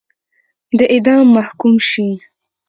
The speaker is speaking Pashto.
د اعدام محکوم شي.